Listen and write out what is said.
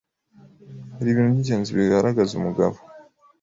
Hari ibintu by’ingenzi bigaragaza umugabo